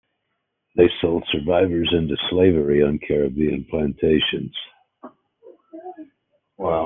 They sold survivors into slavery on Caribbean plantations.